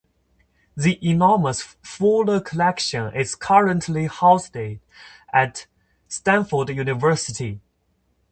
The enormous Fuller Collection is currently housed at Stanford University.